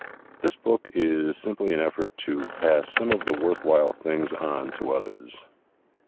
This book is simply an effort to pass some of the worth while things on to others.